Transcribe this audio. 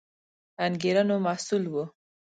انګېرنو محصول وو